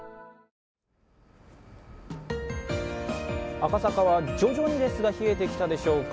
赤坂は徐々にですが冷えてきたでしょうか。